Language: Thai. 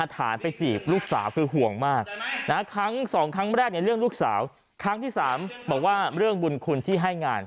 ฐานไปจีบลูกสาวคือห่วงมากครั้ง๒ครั้งแรกในเรื่องลูกสาวครั้งที่๓บอกว่าเรื่องบุญคุณที่ให้งาน